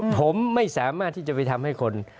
ผมไม่สามารถที่จะไปทำให้คน